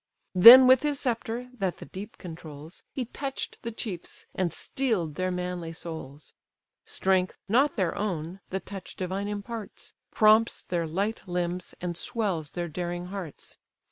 Then with his sceptre, that the deep controls, He touch'd the chiefs, and steel'd their manly souls: Strength, not their own, the touch divine imparts, Prompts their light limbs, and swells their daring hearts.